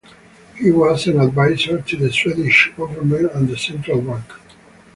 He was an advisor to the Swedish government and the central bank.